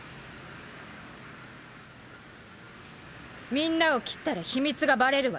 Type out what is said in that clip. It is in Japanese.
みんなを斬ったら秘密がバレるわよ。